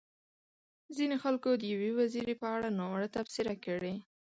ځينو خلکو د يوې وزيرې په اړه ناوړه تبصرې کړې.